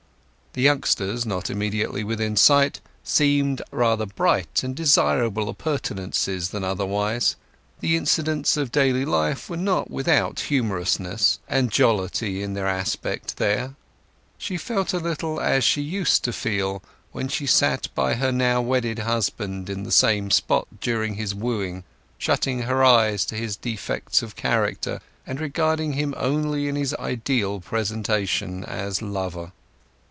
The youngsters, not immediately within sight, seemed rather bright and desirable appurtenances than otherwise; the incidents of daily life were not without humorousness and jollity in their aspect there. She felt a little as she had used to feel when she sat by her now wedded husband in the same spot during his wooing, shutting her eyes to his defects of character, and regarding him only in his ideal presentation as lover.